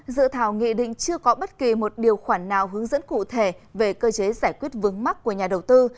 dự thảo nghị định chưa có bất kỳ một điều khoản nào hướng dẫn cụ thể về cơ chế giải quyết vướng mắc của nhà đầu tư